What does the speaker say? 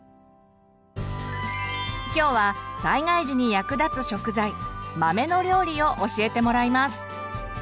今日は災害時に役立つ食材豆の料理を教えてもらいます。